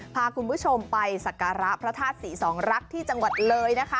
พาคุณผู้ชมไปสการประธาตุศรีสองรักษ์ที่จังหวัดเลย